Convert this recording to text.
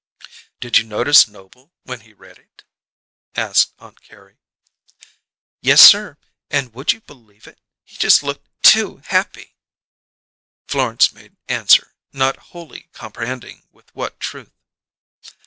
"Did you notice Noble when he read it?" asked Aunt Carrie. "Yessir! And would you believe it; he just looked too happy!" Florence made answer, not wholly comprehending with what truth.